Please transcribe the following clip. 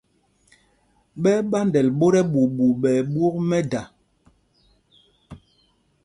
Ɓɛ́ ɛ́ ɓándɛl ɓot ɛɓuuɓu ɓɛ ɓwôk mɛ́da.